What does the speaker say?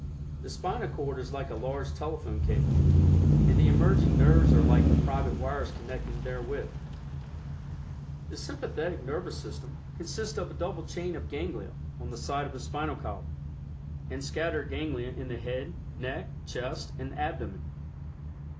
The Spinal Cord is like a large telephone cable, and the emerging nerves are like the private wires connecting therewith. The Sympathetic Nervous System consists of a double chain of Ganglia on the side of the Spinal column, and scattered ganglia in the head, neck, chest and abdomen.